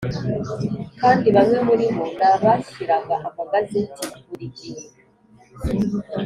kandi bamwe muri bo nabashyiraga amagazeti buri gihe